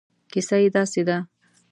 کیسه یې داسې ده.